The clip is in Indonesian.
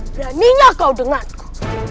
beraninya kau denganku